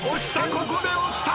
ここで押した！